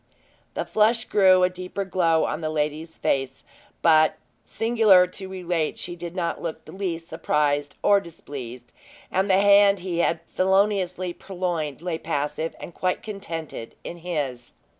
The flush grew a deeper glow on the lady's face; but, singular to relate, she did not look the least surprised or displeased; and the hand he had feloniously purloined lay passive and quite contented in his.